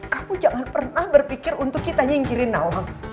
kamu jangan pernah berpikir untuk kita singkirin nawang